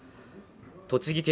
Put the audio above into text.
栃木県